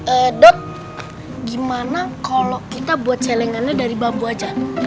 eh dok gimana kalau kita buat celengannya dari bambu aja